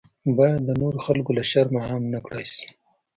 باید د نورو خلکو له شرمه عام نکړای شي.